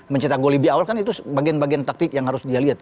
mencetak gol lebih awal kan itu bagian bagian taktik yang harus dia lihat